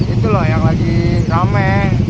itu loh yang lagi rame